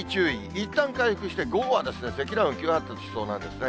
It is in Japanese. いったん回復して、午後は積乱雲、急発達しそうなんですね。